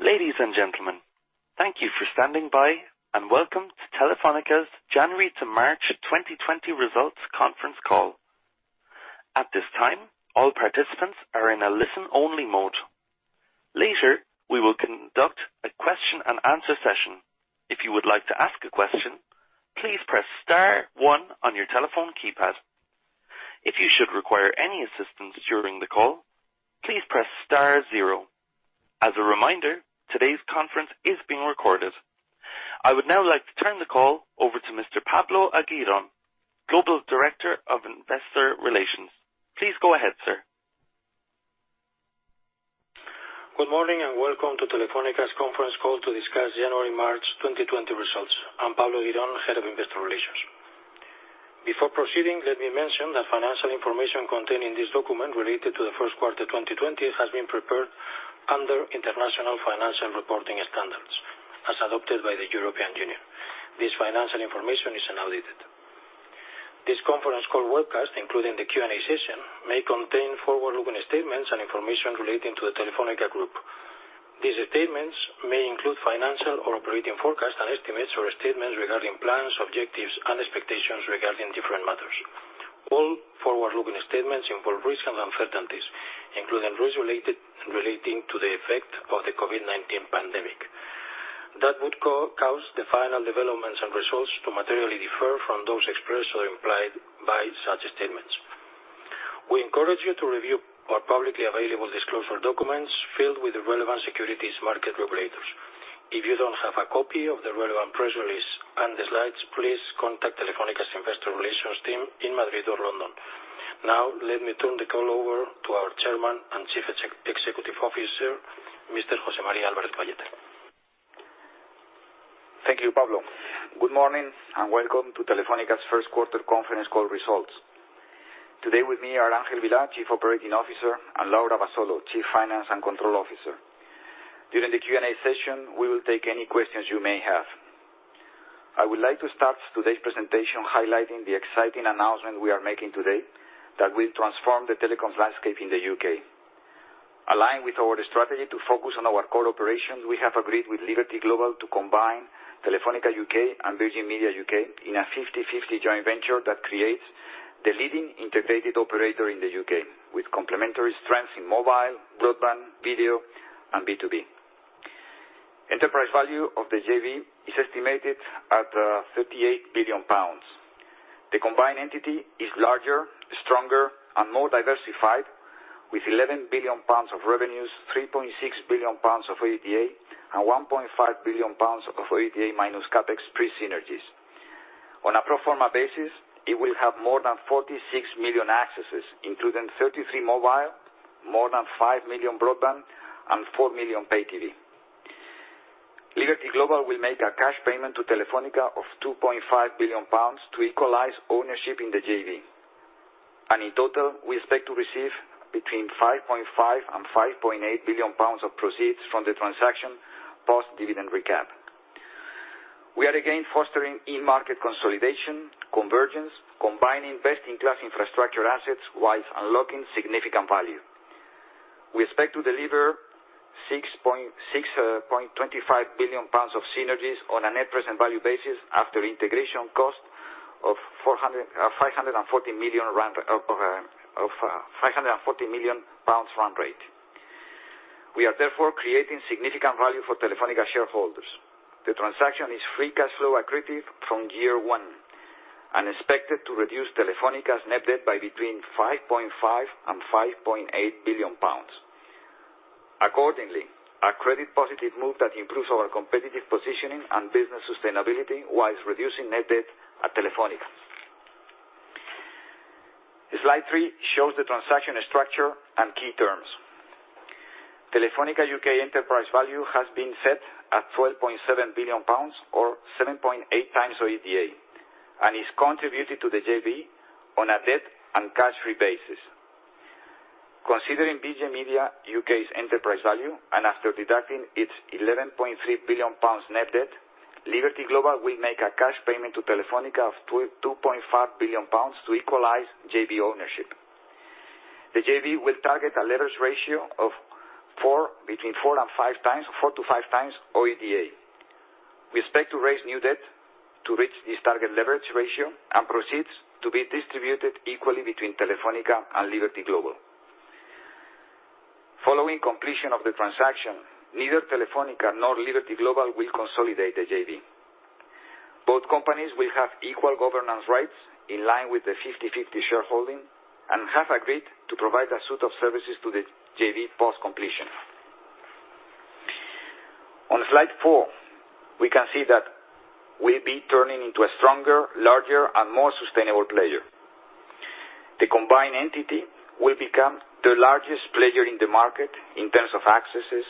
Ladies and gentlemen, thank you for standing by, and welcome to Telefónica's January to March 2020 results conference call. At this time, all participants are in a listen-only mode. Later, we will conduct a question-and-answer session. If you would like to ask a question, please press star one on your telephone keypad. If you should require any assistance during the call, please press star zero. As a reminder, today's conference is being recorded. I would now like to turn the call over to Mr. Pablo Eguirón, Global Director of Investor Relations. Please go ahead, sir. Good morning and welcome to Telefónica's conference call to discuss January, March 2020 results. I'm Pablo Eguirón, Head of Investor Relations. Before proceeding, let me mention that financial information contained in this document related to the first quarter 2020 has been prepared under International Financial Reporting Standards as adopted by the European Union. This financial information is unaudited. This conference call webcast, including the Q&A session, may contain forward-looking statements and information relating to the Telefónica Group. These statements may include financial or operating forecasts and estimates or statements regarding plans, objectives, and expectations regarding different matters. All forward-looking statements involve risks and uncertainties, including risks relating to the effect of the COVID-19 pandemic, that would cause the final developments and results to materially differ from those expressed or implied by such statements. We encourage you to review our publicly available disclosure documents filed with the relevant securities market regulators. If you don't have a copy of the relevant press release and the slides, please contact Telefónica's Investor Relations team in Madrid or London. Let me turn the call over to our Chairman and Chief Executive Officer, Mr. José María Álvarez-Pallete. Thank you, Pablo. Good morning, and welcome to Telefónica's first quarter conference call results. Today with me are Ángel Vilá, Chief Operating Officer, and Laura Abasolo, Chief Finance and Control Officer. During the Q&A session, we will take any questions you may have. I would like to start today's presentation highlighting the exciting announcement we are making today that will transform the telecom landscape in the U.K. Aligned with our strategy to focus on our core operations, we have agreed with Liberty Global to combine Telefónica UK and Virgin Media UK in a 50:50 joint venture that creates the leading integrated operator in the U.K., with complementary strengths in mobile, broadband, video, and B2B. Enterprise value of the JV is estimated at 38 billion pounds. The combined entity is larger, stronger, and more diversified, with 11 billion pounds of revenues, 3.6 billion pounds of OIBDA, and 1.5 billion pounds of OIBDA minus CapEx pre-synergies. On a pro forma basis, it will have more than 46 million accesses, including 33 mobile, more than five million broadband, and four million pay TV. Liberty Global will make a cash payment to Telefónica of 2.5 billion pounds to equalize ownership in the JV. In total, we expect to receive between 5.5 billion and 5.8 billion pounds of proceeds from the transaction, post-dividend recap. We are again fostering in-market consolidation, convergence, combining best-in-class infrastructure assets whilst unlocking significant value. We expect to deliver 6.25 billion pounds of synergies on a net present value basis after integration cost of 540 million pounds run rate. We are therefore creating significant value for Telefónica shareholders. The transaction is free cash flow accretive from year one and expected to reduce Telefónica's net debt by between 5.5 billion and 5.8 billion pounds. A credit positive move that improves our competitive positioning and business sustainability while reducing net debt at Telefónica. Slide three shows the transaction structure and key terms. Telefónica UK enterprise value has been set at GBP 12.7 billion, or 7.8x the OIBDA, and is contributed to the JV on a debt and cash-free basis. Considering Virgin Media UK's enterprise value and after deducting its 11.3 billion pounds net debt, Liberty Global will make a cash payment to Telefónica of 2.5 billion pounds to equalize JV ownership. The JV will target a leverage ratio of between 4x-5x OIBDA. We expect to raise new debt to reach this target leverage ratio and proceeds to be distributed equally between Telefónica and Liberty Global. Following completion of the transaction, neither Telefónica nor Liberty Global will consolidate the JV. Both companies will have equal governance rights in line with the 50:50 shareholding and have agreed to provide a suite of services to the JV post-completion. On slide four, we can see that we'll be turning into a stronger, larger, and more sustainable player. The combined entity will become the largest player in the market in terms of accesses,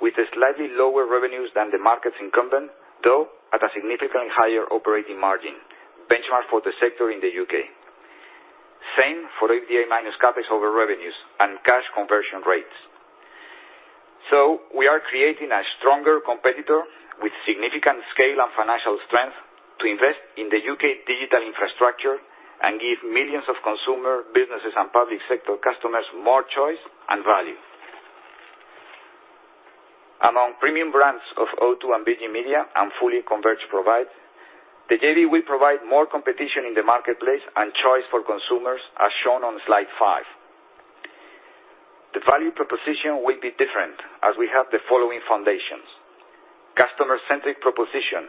with slightly lower revenues than the market's incumbent, though at a significantly higher operating margin, benchmarked for the sector in the U.K. Same for OIBDA minus CapEx over revenues and cash conversion rates. We are creating a stronger competitor with significant scale and financial strength to invest in the U.K. digital infrastructure and give millions of consumer businesses and public sector customers more choice and value. Among premium brands of O2 and Virgin Media and fully converged provides, the JV will provide more competition in the marketplace and choice for consumers, as shown on Slide five. The value proposition will be different as we have the following foundations: customer-centric proposition,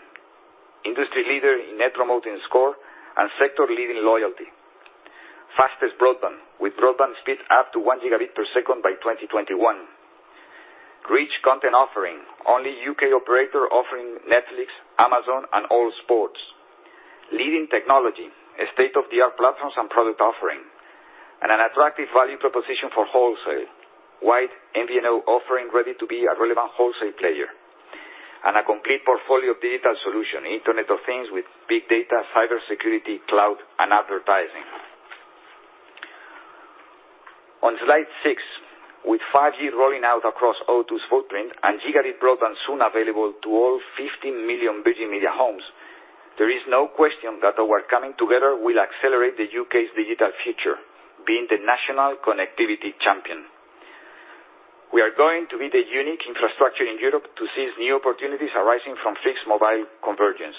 industry leader in Net Promoter Score, and sector leading loyalty. Fastest broadband, with broadband speed up to 1 Gbps by 2021. Rich content offering, only U.K. operator offering Netflix, Amazon, and all sports. Leading technology, a state-of-the-art platforms and product offering, an attractive value proposition for wholesale. Wide MVNO offering ready to be a relevant wholesale player. A complete portfolio of digital solution, Internet of Things with big data, cybersecurity, cloud, and advertising. On Slide six, with 5G rolling out across O2's footprint and gigabit broadband soon available to all 15 million Virgin Media homes, there is no question that our coming together will accelerate the U.K.'s digital future, being the national connectivity champion. We are going to be the unique infrastructure in Europe to seize new opportunities arising from fixed mobile convergence.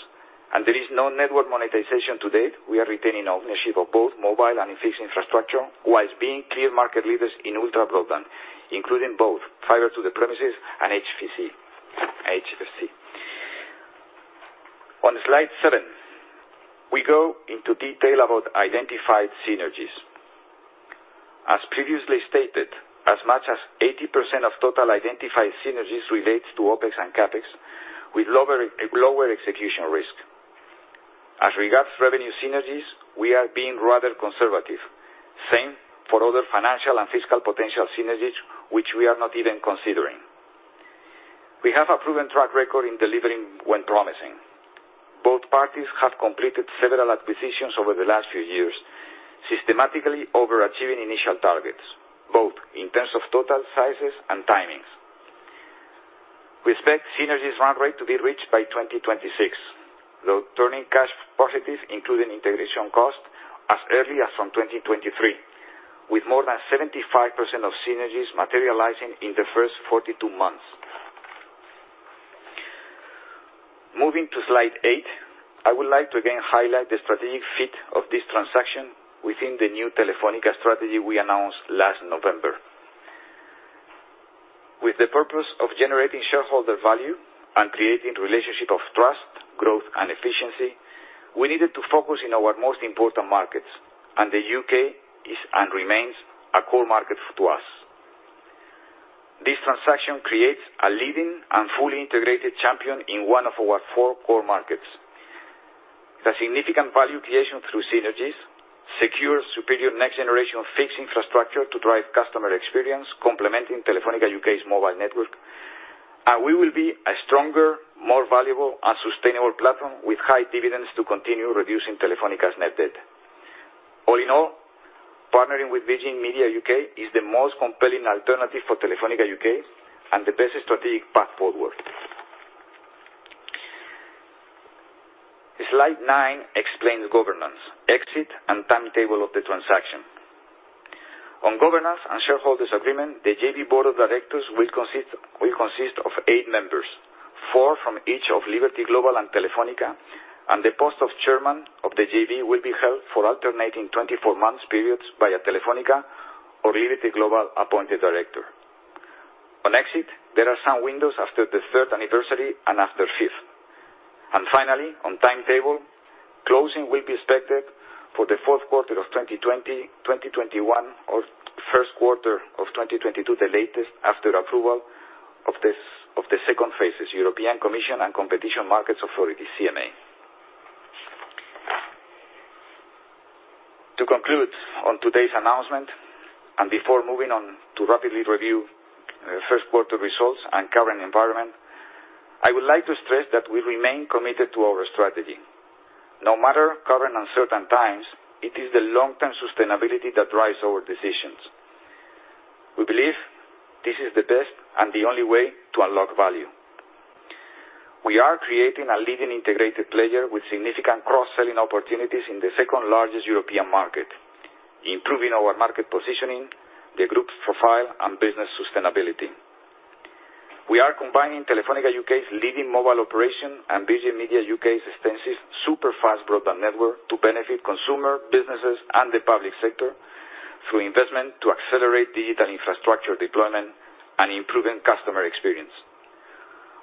There is no network monetization to date. We are retaining ownership of both mobile and fixed infrastructure, while being clear market leaders in ultra broadband, including both fiber to the premises and HFC. On Slide seven, we go into detail about identified synergies. As previously stated, as much as 80% of total identified synergies relates to OpEx and CapEx with lower execution risk. As regards revenue synergies, we are being rather conservative. Same for other financial and fiscal potential synergies, which we are not even considering. We have a proven track record in delivering when promising. Both parties have completed several acquisitions over the last few years, systematically overachieving initial targets, both in terms of total sizes and timings. We expect synergies run rate to be reached by 2026, though turning cash positive, including integration cost, as early as from 2023, with more than 75% of synergies materializing in the first 42 months. Moving to Slide eight, I would like to again highlight the strategic fit of this transaction within the new Telefónica strategy we announced last November. With the purpose of generating shareholder value and creating relationship of trust, growth, and efficiency, we needed to focus in our most important markets, and the U.K. is and remains a core market to us. This transaction creates a leading and fully integrated champion in one of our four core markets. The significant value creation through synergies secures superior next generation fixed infrastructure to drive customer experience, complementing Telefónica UK's mobile network. We will be a stronger, more valuable, and sustainable platform with high dividends to continue reducing Telefónica's net debt. All in all, partnering with Virgin Media UK is the most compelling alternative for Telefónica UK and the best strategic path forward. Slide nine explains governance, exit, and timetable of the transaction. On governance and shareholders agreement, the JV board of directors will consist of eight members, four from each of Liberty Global and Telefónica, and the post of chairman of the JV will be held for alternating 24-month periods by a Telefónica or Liberty Global appointed director. On exit, there are some windows after the third anniversary and after fifth. Finally, on timetable, closing will be expected for the fourth quarter of 2020, 2021, or first quarter of 2022, the latest after approval of the second phase European Commission and Competition and Markets Authority, CMA. To conclude on today's announcement and before moving on to rapidly review first quarter results and current environment, I would like to stress that we remain committed to our strategy. No matter current uncertain times, it is the long-term sustainability that drives our decisions. We believe this is the best and the only way to unlock value. We are creating a leading integrated player with significant cross-selling opportunities in the second largest European market, improving our market positioning, the group's profile, and business sustainability. We are combining Telefónica UK's leading mobile operation and Virgin Media UK's extensive super-fast broadband network to benefit consumer, businesses, and the public sector through investment to accelerate digital infrastructure deployment and improving customer experience.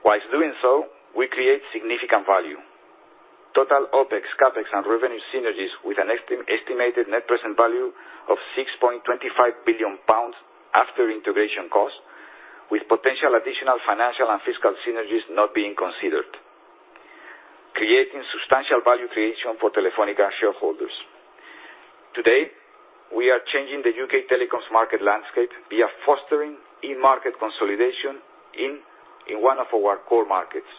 Whilst doing so, we create significant value. Total OpEx, CapEx, and revenue synergies with an estimated net present value of 6.25 billion pounds after integration cost, with potential additional financial and fiscal synergies not being considered, creating substantial value creation for Telefónica shareholders. Today, we are changing the U.K. telecoms market landscape via fostering in-market consolidation in one of our core markets.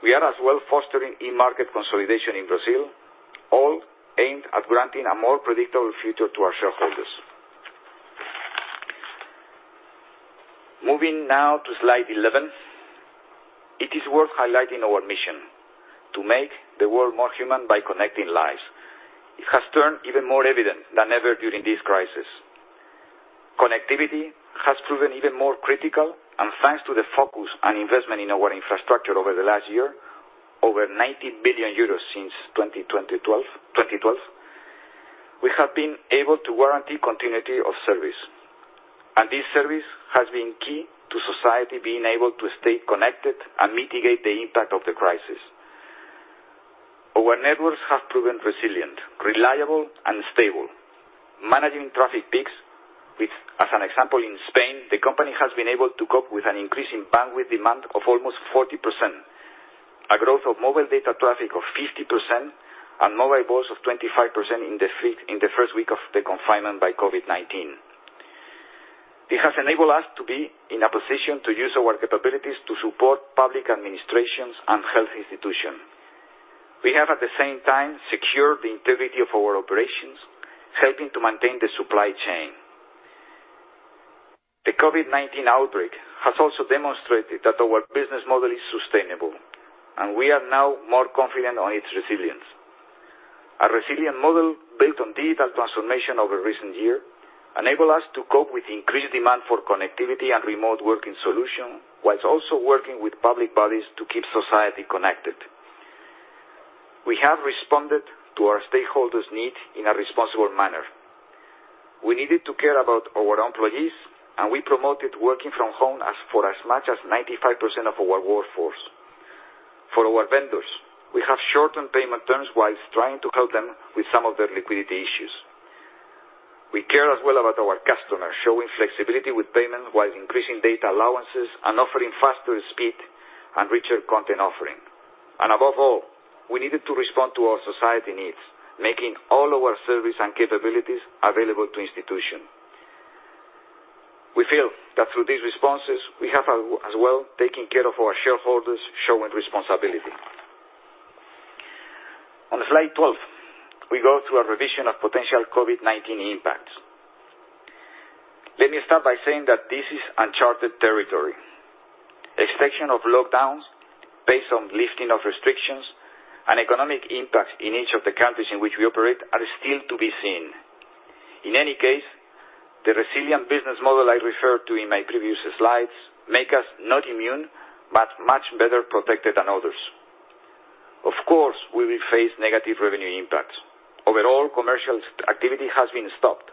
We are as well fostering in-market consolidation in Brazil, all aimed at granting a more predictable future to our shareholders. Moving now to slide 11. It is worth highlighting our mission: to make the world more human by connecting lives. It has turned even more evident than ever during this crisis. Connectivity has proven even more critical. Thanks to the focus on investment in our infrastructure over the last year, over 90 billion euros since 2012, we have been able to guarantee continuity of service. This service has been key to society being able to stay connected and mitigate the impact of the crisis. Our networks have proven resilient, reliable, and stable, managing traffic peaks, which as an example, in Spain, the company has been able to cope with an increase in bandwidth demand of almost 40%, a growth of mobile data traffic of 50%, and mobile voice of 25% in the first week of the confinement by COVID-19. It has enabled us to be in a position to use our capabilities to support public administrations and health institutions. We have, at the same time, secured the integrity of our operations, helping to maintain the supply chain. The COVID-19 outbreak has also demonstrated that our business model is sustainable, and we are now more confident on its resilience. A resilient model built on digital transformation over recent year, enable us to cope with increased demand for connectivity and remote working solution, whilst also working with public bodies to keep society connected. We have responded to our stakeholders' need in a responsible manner. We needed to care about our employees, we promoted working from home for as much as 95% of our workforce. For our vendors, we have shortened payment terms whilst trying to help them with some of their liquidity issues. We care as well about our customers, showing flexibility with payment while increasing data allowances and offering faster speed and richer content offering. Above all, we needed to respond to our society needs, making all our service and capabilities available to institution. We feel that through these responses, we have as well taken care of our shareholders, showing responsibility. On slide 12, we go through a revision of potential COVID-19 impacts. Let me start by saying that this is uncharted territory. Extension of lockdowns based on lifting of restrictions and economic impacts in each of the countries in which we operate are still to be seen. In any case, the resilient business model I referred to in my previous slides make us not immune, but much better protected than others. Of course, we will face negative revenue impacts. Overall, commercial activity has been stopped,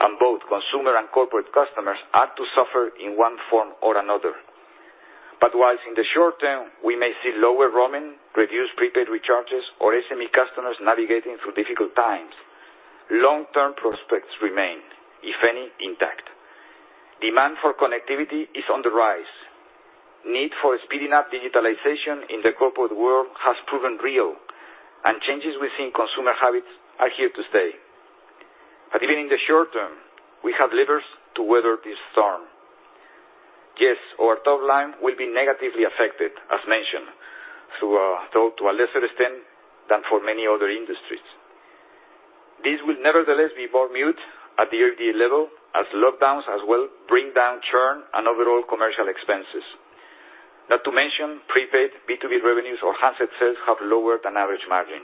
and both consumer and corporate customers are to suffer in one form or another. Whilst in the short term, we may see lower roaming, reduced prepaid recharges or SME customers navigating through difficult times, long-term prospects remain, if any, intact. Demand for connectivity is on the rise. Need for speeding up digitalization in the corporate world has proven real, and changes we see in consumer habits are here to stay. Even in the short term, we have levers to weather this storm. Yes, our top line will be negatively affected, as mentioned, though to a lesser extent than for many other industries. This will nevertheless be more mute at the OIBDA level, as lockdowns as well bring down churn and overall commercial expenses. Not to mention prepaid B2B revenues or handset sales have lower than average margin.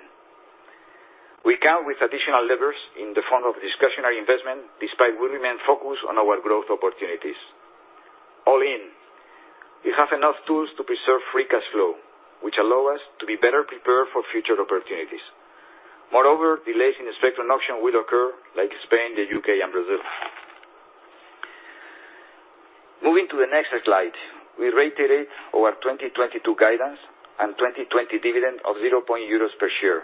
We count with additional levers in the form of discretionary investment, despite we remain focused on our growth opportunities. All in, we have enough tools to preserve free cash flow, which allow us to be better prepared for future opportunities. Moreover, delays in the spectrum auction will occur like Spain, the U.K., and Brazil. Moving to the next slide. We reiterate our 2022 guidance and 2020 dividend of 0.4 euros per share.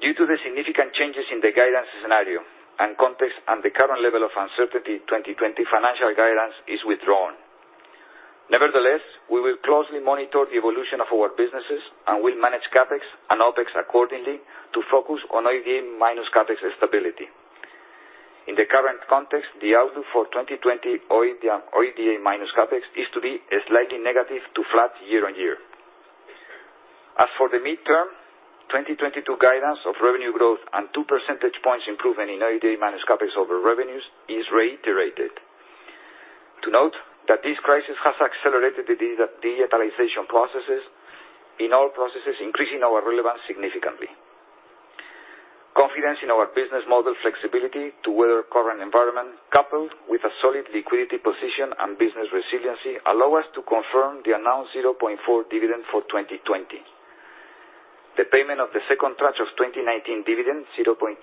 Due to the significant changes in the guidance scenario and context and the current level of uncertainty, 2020 financial guidance is withdrawn. Nevertheless, we will closely monitor the evolution of our businesses and will manage CapEx and OpEx accordingly to focus on OIBDA minus CapEx stability. In the current context, the outlook for 2020 OIBDA minus CapEx is to be slightly negative to flat year-on-year. As for the midterm, 2022 guidance of revenue growth and 2 percentage points improvement in OIBDA minus CapEx over revenues is reiterated. To note that this crisis has accelerated the digitalization processes in all processes, increasing our relevance significantly. Confidence in our business model flexibility to weather current environment, coupled with a solid liquidity position and business resiliency, allow us to confirm the announced 0.4 dividend for 2020. The payment of the second tranche of 2019 dividend, 0.2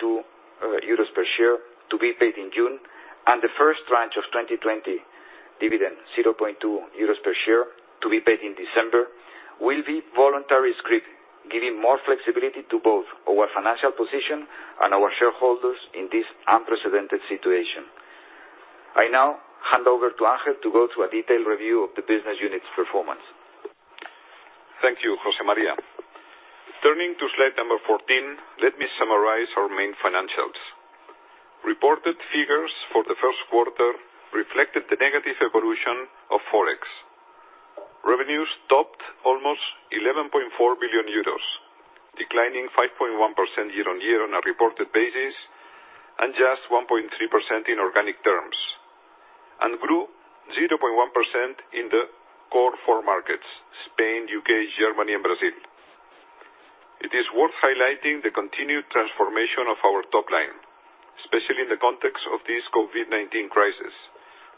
euros per share to be paid in June, and the first tranche of 2020 dividend, 0.2 euros per share to be paid in December, will be voluntary scrip, giving more flexibility to both our financial position and our shareholders in this unprecedented situation. I now hand over to Ángel to go through a detailed review of the business unit's performance. Thank you, José María. Turning to slide number 14, let me summarize our main financials. Reported figures for the first quarter reflected the negative evolution of Forex. Revenues topped almost 11.4 billion euros, declining 5.1% year-on-year on a reported basis and just 1.3% in organic terms, and grew 0.1% in the core four markets: Spain, U.K., Germany and Brazil. It is worth highlighting the continued transformation of our top line, especially in the context of this COVID-19 crisis,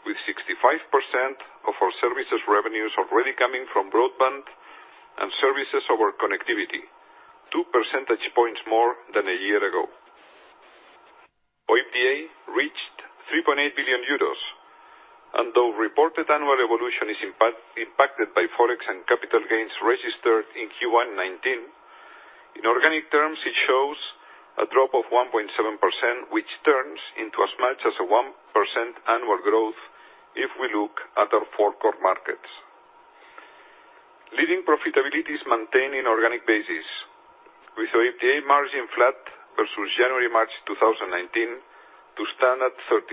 with 65% of our services revenues already coming from broadband and services over connectivity, 2 percentage points more than a year ago. OIBDA reached 3.8 billion euros, and though reported annual evolution is impacted by Forex and capital gains registered in Q1 2019, in organic terms, it shows a drop of 1.7%, which turns into as much as a 1% annual growth if we look at our four core markets. Leading profitability is maintained in organic basis, with OIBDA margin flat versus January, March 2019 to stand at 33.1%.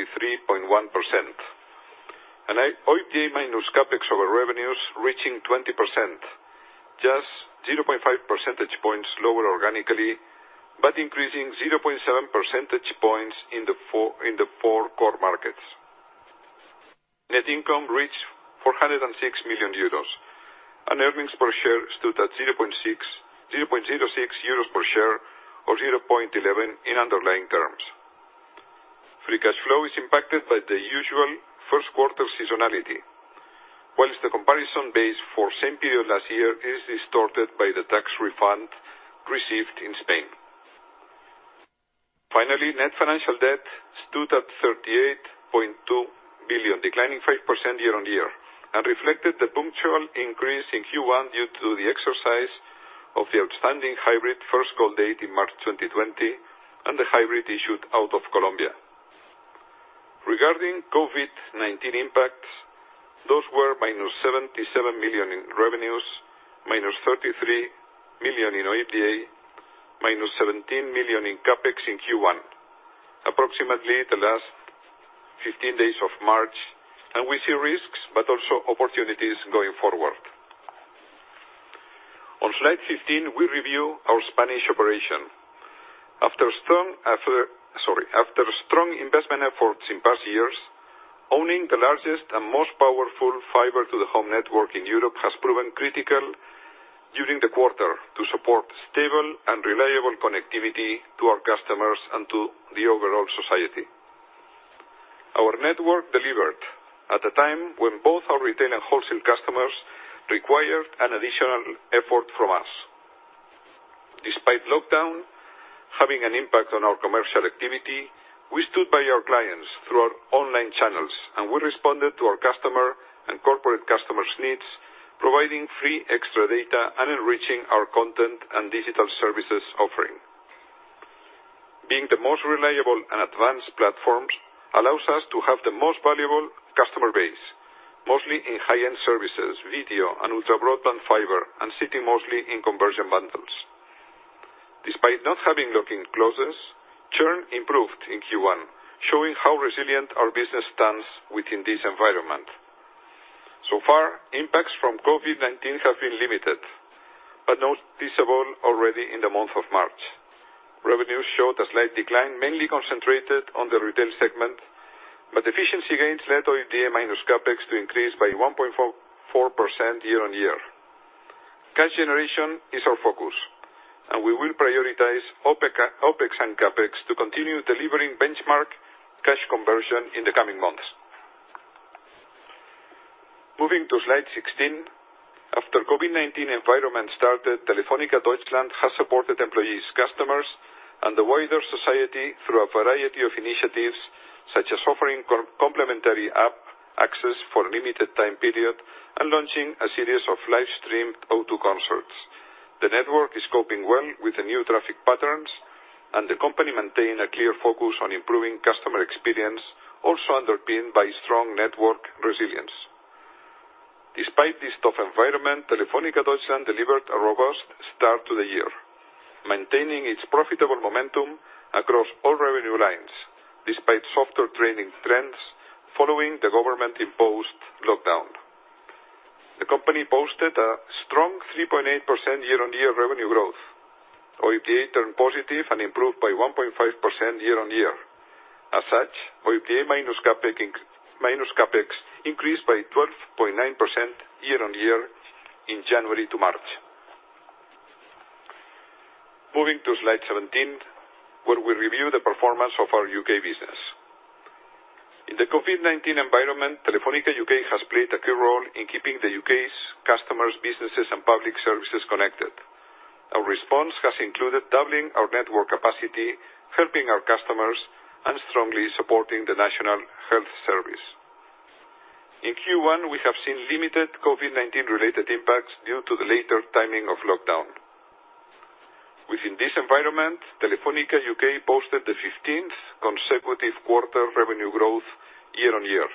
OIBDA minus CapEx over revenues reaching 20%, just 0.5 percentage points lower organically, but increasing 0.7 percentage points in the four core markets. Net income reached 406 million euros, and earnings per share stood at 0.06 euros per share or 0.11 in underlying terms. Free cash flow is impacted by the usual first quarter seasonality. Whilst the comparison base for same period last year is distorted by the tax refund received in Spain. Net financial debt stood at 38.2 billion, declining 5% year-on-year, and reflected the punctual increase in Q1 due to the exercise of the outstanding hybrid first call date in March 2020 and the hybrid issued out of Colombia. Regarding COVID-19 impacts, those were -77 million in revenues, -33 million in OIBDA, -17 million in CapEx in Q1, approximately the last 15 days of March. We see risks but also opportunities going forward. On slide 15, we review our Spanish operation. After strong investment efforts in past years, owning the largest and most powerful fiber to the home network in Europe has proven critical during the quarter to support stable and reliable connectivity to our customers and to the overall society. Our network delivered at a time when both our retail and wholesale customers required an additional effort from us. Despite lockdown having an impact on our commercial activity, we stood by our clients through our online channels. We responded to our customer and corporate customers' needs, providing free extra data and enriching our content and digital services offering. Being the most reliable and advanced platforms allows us to have the most valuable customer base, mostly in high-end services, video and ultra-broadband fiber, and sitting mostly in conversion bundles. Despite not having locking clauses, churn improved in Q1, showing how resilient our business stands within this environment. So far, impacts from COVID-19 have been limited, but noticeable already in the month of March. Revenues showed a slight decline, mainly concentrated on the retail segment, but efficiency gains led OIBDA minus CapEx to increase by 1.4% year-on-year. Cash generation is our focus, and we will prioritize OpEx and CapEx to continue delivering benchmark cash conversion in the coming months. Moving to slide 16. After COVID-19 environment started, Telefónica Deutschland has supported employees, customers, and the wider society through a variety of initiatives, such as offering complimentary app access for a limited time period and launching a series of live-streamed O2 concerts. The network is coping well with the new traffic patterns, the company maintain a clear focus on improving customer experience, also underpinned by strong network resilience. Despite this tough environment, Telefónica Deutschland delivered a robust start to the year, maintaining its profitable momentum across all revenue lines, despite softer trading trends following the government-imposed lockdown. The company posted a strong 3.8% year-on-year revenue growth. OIBDA turned positive and improved by 1.5% year-on-year. As such, OIBDA minus CapEx increased by 12.9% year-on-year in January to March. Moving to slide 17, where we review the performance of our U.K. business. In the COVID-19 environment, Telefónica UK has played a key role in keeping the U.K.'s customers, businesses, and public services connected. Our response has included doubling our network capacity, helping our customers, and strongly supporting the National Health Service. In Q1, we have seen limited COVID-19 related impacts due to the later timing of lockdown. Within this environment, Telefónica UK posted the 15th consecutive quarter revenue growth year-on-year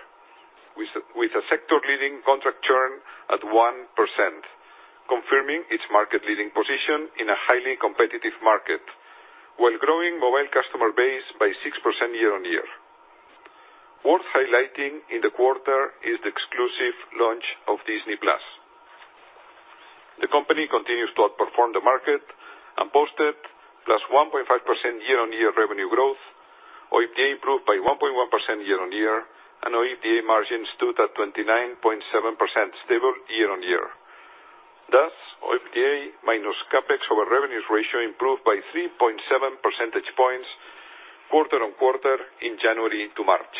with a sector-leading contract churn at 1%, confirming its market-leading position in a highly competitive market, while growing mobile customer base by 6% year-on-year. Worth highlighting in the quarter is the exclusive launch of Disney+. The company continues to outperform the market and posted +1.5% year-on-year revenue growth. OIBDA improved by 1.1% year-on-year, and OIBDA margin stood at 29.7%, stable year-on-year. OIBDA minus CapEx over revenues ratio improved by 3.7 percentage points quarter-on-quarter in January to March.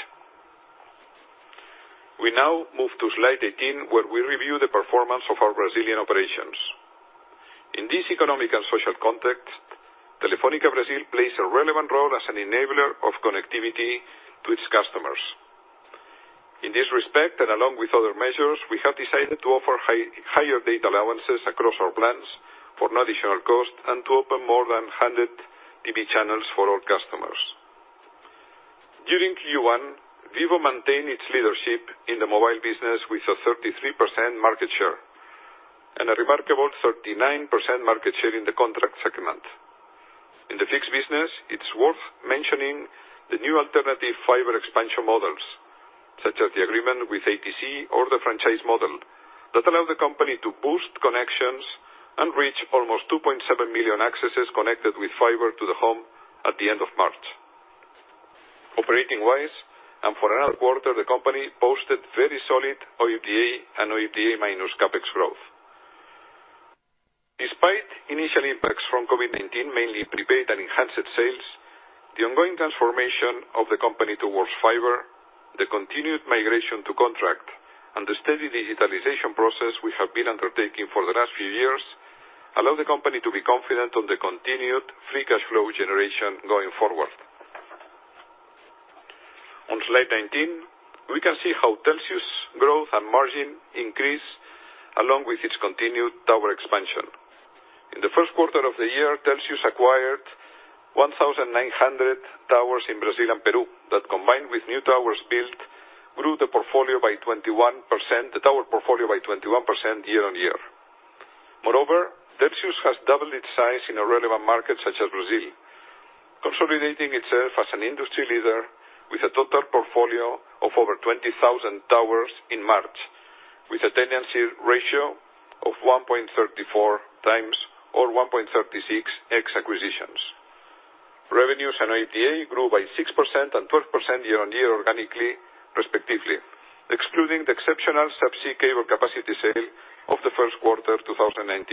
We now move to slide 18, where we review the performance of our Brazilian operations. In this economic and social context, Telefónica Brazil plays a relevant role as an enabler of connectivity to its customers. In this respect, and along with other measures, we have decided to offer higher data allowances across our plans for no additional cost and to open more than 100 TV channels for all customers. During Q1, Vivo maintained its leadership in the mobile business with a 33% market share, and a remarkable 39% market share in the contract segment. In the fixed business, it's worth mentioning the new alternative fiber expansion models, such as the agreement with ATC or the franchise model, that allow the company to boost connections and reach almost 2.7 million accesses connected with Fiber-to-the-Home at the end of March. Operating wise, and for another quarter, the company posted very solid OIBDA and OIBDA minus CapEx growth. Despite initial impacts from COVID-19, mainly prepaid and enhanced sales, the ongoing transformation of the company towards fiber, the continued migration to contract, and the steady digitalization process we have been undertaking for the last few years allow the company to be confident on the continued free cash flow generation going forward. On slide 19, we can see how Telxius growth and margin increase along with its continued tower expansion. In the first quarter of the year, Telxius acquired 1,900 towers in Brazil and Peru, that combined with new towers built, grew the tower portfolio by 21% year-on-year. Moreover, Telxius has doubled its size in a relevant market such as Brazil, consolidating itself as an industry leader with a total portfolio of over 20,000 towers in March, with a tenancy ratio of 1.34x or 1.36x ex-acquisitions. Revenues and OIBDA grew by 6% and 12% year-on-year organically, respectively, excluding the exceptional subsea cable capacity sale of the first quarter 2019.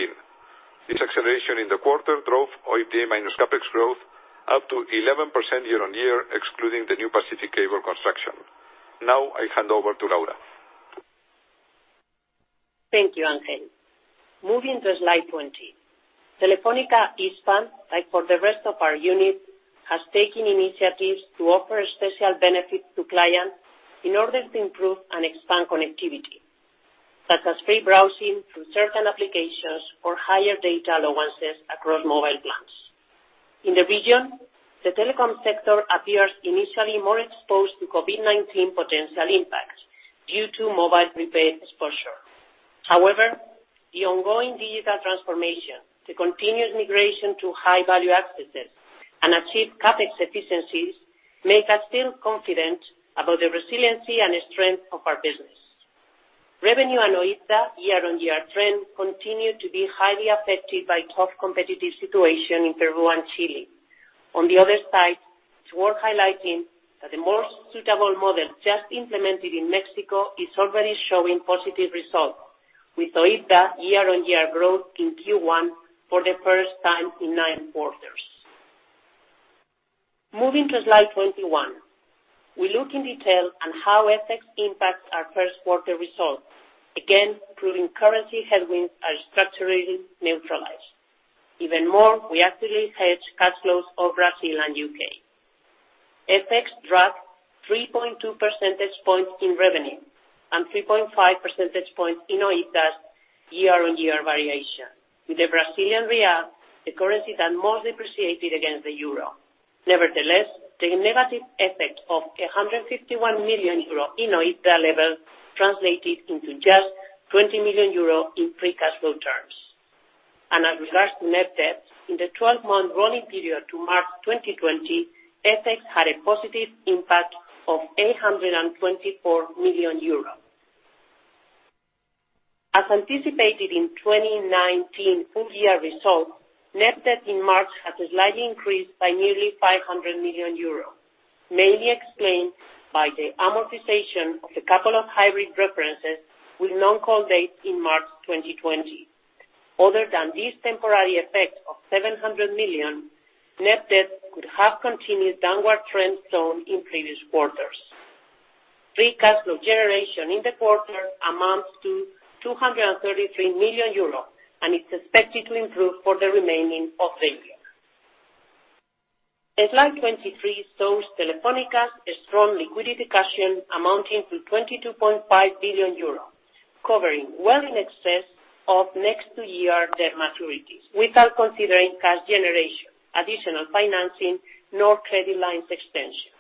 This acceleration in the quarter drove OIBDA minus CapEx growth up to 11% year-on-year, excluding the new Pacific cable construction. Now, I hand over to Laura. Thank you, Ángel. Moving to slide 20. Telefónica Hispam, like for the rest of our units, has taken initiatives to offer special benefits to clients in order to improve and expand connectivity, such as free browsing through certain applications or higher data allowances across mobile plans. In the region, the telecom sector appears initially more exposed to COVID-19 potential impacts due to mobile prepaid exposure. However, the ongoing digital transformation, the continuous migration to high-value accesses, and achieved CapEx efficiencies make us still confident about the resiliency and strength of our business. Revenue and OIBDA year-on-year trend continued to be highly affected by tough competitive situation in Peru and Chile. On the other side, it's worth highlighting that the more suitable model just implemented in Mexico is already showing positive results with OIBDA year-on-year growth in Q1 for the first time in nine quarters. Moving to slide 21. We look in detail on how FX impacts our first quarter results, again, proving currency headwinds are structurally neutralized. We actively hedge cash flows of Brazil and UK. FX dropped 3.2 percentage points in revenue and 3.5 percentage points in OIBDA year-on-year variation, with the Brazilian real, the currency that most appreciated against the euro. The negative effect of 151 million euro in OIBDA level translated into just 20 million euro in free cash flow terms. As regards to net debt, in the 12-month rolling period to March 2020, FX had a positive impact of 824 million euros. As anticipated in 2019 full year results, net debt in March had slightly increased by nearly 500 million euros, mainly explained by the amortization of a couple of hybrid preferences with non-call dates in March 2020. Other than this temporary effect of 700 million, net debt could have continued downward trend shown in previous quarters. Free cash flow generation in the quarter amounts to 233 million euros and is expected to improve for the remaining of the year. In slide 23 shows Telefónica's strong liquidity cash amounting to 22.5 billion euros, covering well in excess of next two-year debt maturities without considering cash generation, additional financing, nor credit lines extension.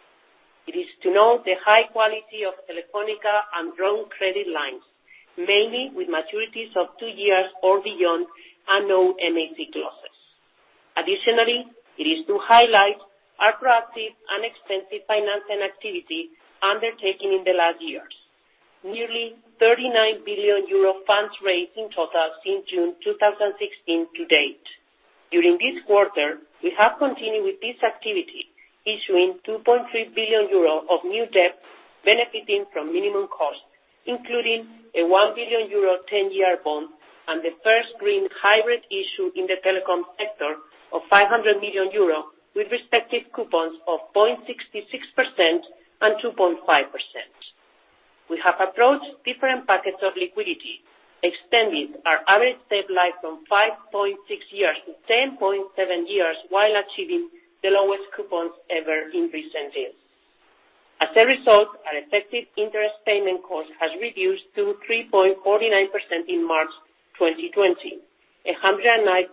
It is to note the high quality of Telefónica undrawn credit lines, mainly with maturities of two years or beyond and no MAC clauses. Additionally, it is to highlight our proactive and extensive financing activity undertaken in the last years. Nearly 39 billion euro funds raised in total since June 2016 to date. During this quarter, we have continued with this activity, issuing 2.3 billion euros of new debt benefiting from minimum cost, including a 1 billion euro 10-year bond and the first green hybrid issue in the telecom sector of 500 million euro with respective coupons of 0.66% and 2.5%. We have approached different pockets of liquidity, extending our average debt life from 5.6 years-10.7 years while achieving the lowest coupons ever in recent years. As a result, our effective interest payment cost has reduced to 3.49% in March 2020, 109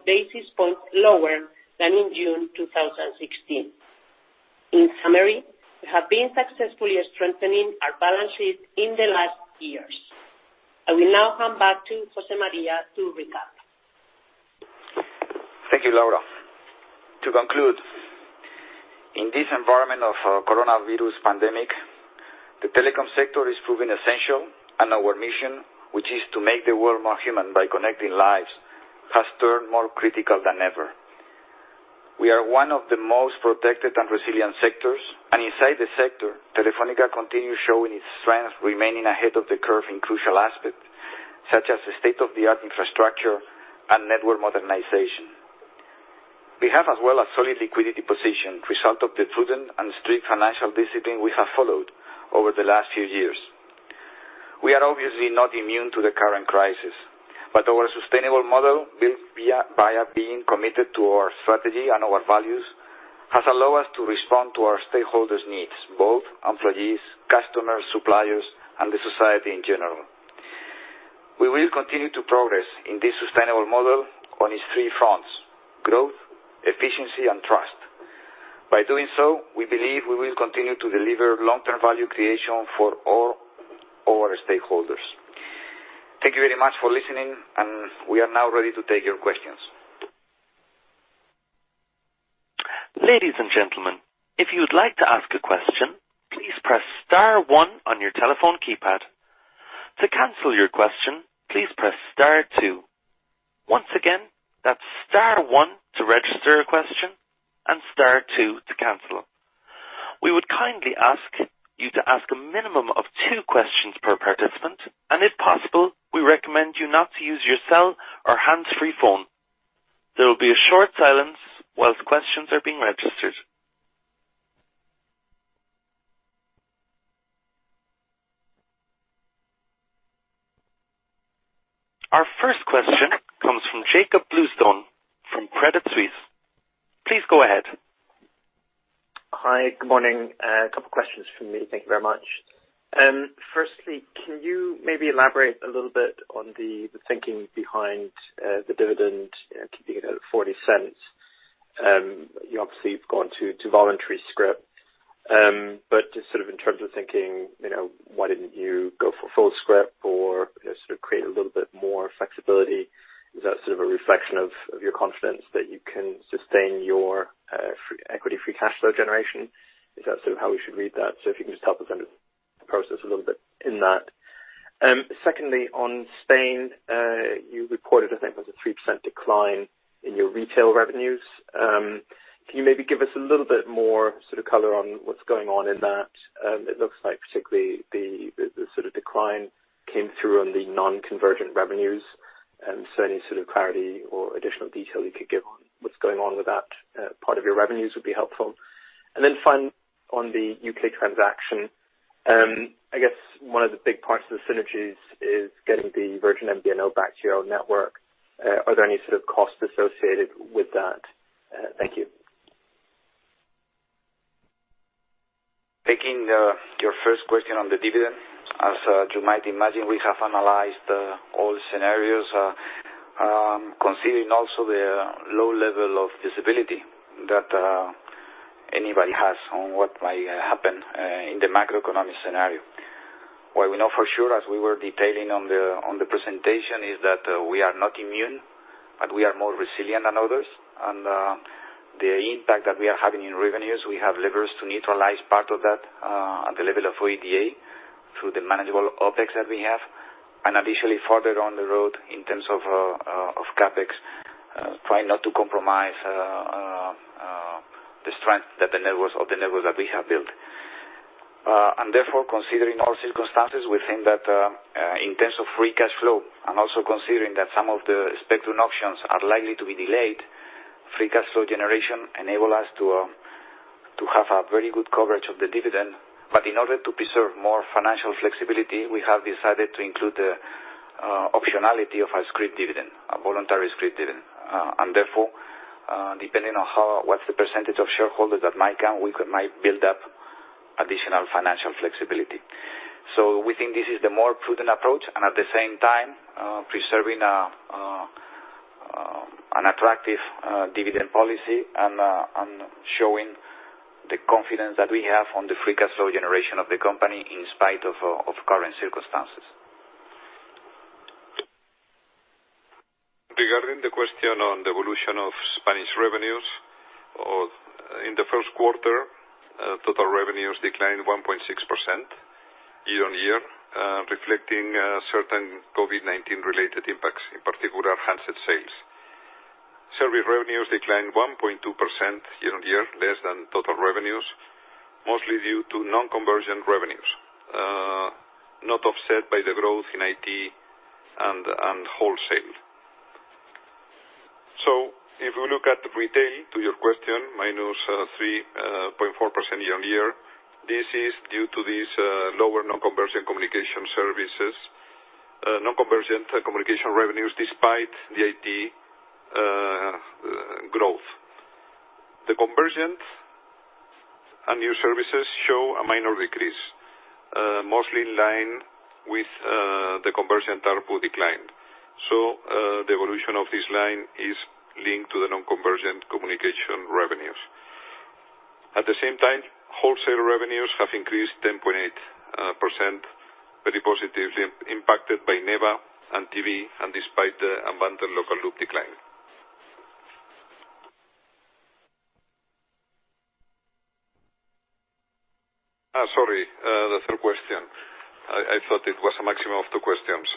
basis points lower than in June 2016. In summary, we have been successfully strengthening our balance sheet in the last years. I will now hand back to José María to recap. Thank you, Laura. To conclude, in this environment of coronavirus pandemic, the telecom sector is proving essential, and our mission, which is to make the world more human by connecting lives, has turned more critical than ever. We are one of the most protected and resilient sectors, and inside the sector, Telefónica continues showing its strength, remaining ahead of the curve in crucial aspects, such as state-of-the-art infrastructure and network modernization. We have as well a solid liquidity position, result of the prudent and strict financial discipline we have followed over the last few years. We are obviously not immune to the current crisis, but our sustainable model, built via being committed to our strategy and our values, has allowed us to respond to our stakeholders' needs, both employees, customers, suppliers, and the society in general. We will continue to progress in this sustainable model on its three fronts: growth, efficiency and trust. By doing so, we believe we will continue to deliver long-term value creation for all our stakeholders. Thank you very much for listening. We are now ready to take your questions. Ladies and gentlemen, if you would like to ask a question, please press star one on your telephone keypad. To cancel your question, please press star two. Once again, that's star one to register a question and star two to cancel. We would kindly ask you to ask a minimum of two questions per participant, and if possible, we recommend you not to use your cell or hands-free phone. There will be a short silence while questions are being registered. Our first question comes from Jakob Bluestone from Credit Suisse. Please go ahead. Hi. Good morning. A couple questions from me. Thank you very much. Firstly, can you maybe elaborate a little bit on the thinking behind the dividend, keeping it at 0.40? You obviously have gone to voluntary scrip. Just in terms of thinking, why didn't you go for full scrip or create a little bit more flexibility? Is that a reflection of your confidence that you can sustain your equity free cash flow generation? Is that how we should read that? If you can just help us under the process a little bit in that. Secondly, on Spain, you reported, I think it was a 3% decline in your retail revenues. Can you maybe give us a little bit more color on what's going on in that? It looks like particularly the decline came through on the non-convergent revenues. Any sort of clarity or additional detail you could give on what's going on with that part of your revenues would be helpful. Finally, on the U.K. transaction, I guess one of the big parts of the synergies is getting the Virgin MVNO back to your own network. Are there any sort of costs associated with that? Thank you. Taking your first question on the dividend. As you might imagine, we have analyzed all scenarios, considering also the low level of visibility that anybody has on what might happen in the macroeconomic scenario. What we know for sure, as we were detailing on the presentation, is that we are not immune, but we are more resilient than others. The impact that we are having in revenues, we have levers to neutralize part of that at the level of OIBDA through the manageable OpEx that we have. Additionally, further down the road in terms of CapEx, try not to compromise the strength of the networks that we have built. Therefore, considering all circumstances, we think that in terms of free cash flow, and also considering that some of the spectrum options are likely to be delayed, free cash flow generation enable us to have a very good coverage of the dividend. In order to preserve more financial flexibility, we have decided to include the optionality of a scrip dividend, a voluntary scrip dividend. Therefore, depending on what's the percentage of shareholders that might come, we might build up additional financial flexibility. We think this is the more prudent approach, and at the same time preserving an attractive dividend policy and showing the confidence that we have on the free cash flow generation of the company in spite of current circumstances. Regarding the question on the evolution of Spanish revenues, in the first quarter, total revenues declined 1.6% year-on-year, reflecting certain COVID-19 related impacts, in particular handset sales. Service revenues declined 1.2% year-on-year, less than total revenues, mostly due to non-convergent revenues, not offset by the growth in IT and wholesale. If we look at retail, to your question, -3.4% year-on-year, this is due to these lower non-convergent communication services, non-convergent communication revenues, despite the IT growth. The convergent and new services show a minor decrease, mostly in line with the convergent ARPU decline. The evolution of this line is linked to the non-convergent communication revenues. At the same time, wholesale revenues have increased 10.8%, very positively impacted by NEBA and TV, and despite the unbundled local loop decline. Sorry, the third question. I thought it was a maximum of two questions.